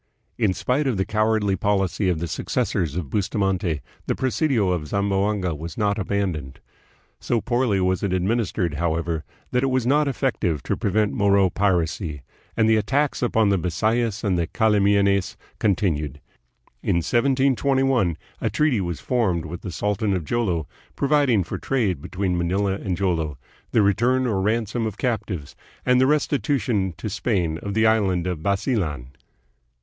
In spite of the cow ardly policy of the successors of Bustamante, the presidio of Zamboanga was not abandoned. So poorly was it ad ministered, however, that it was not effective to prevent Moro piracy, and the attacks upon the Bisayas and Cala mianes continued. In 1721 a treaty was formed with the sultan of Jolo providing for trade between Manila and Jolo, the return or ransom of captives, and the restitution to Spain of the island of Basilan.